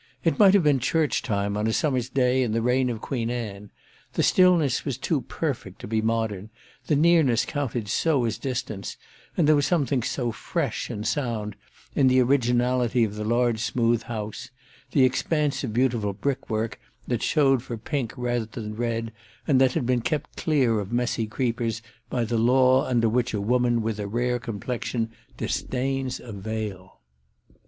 It might have been church time on a summer's day in the reign of Queen Anne; the stillness was too perfect to be modern, the nearness counted so as distance, and there was something so fresh and sound in the originality of the large smooth house, the expanse of beautiful brickwork that showed for pink rather than red and that had been kept clear of messy creepers by the law under which a woman with a rare complexion disdains a veil.